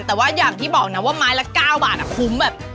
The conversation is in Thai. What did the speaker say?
แต่ว่าอย่างที่บอกนะว่าไม้ละ๙บาทคุ้มแบบ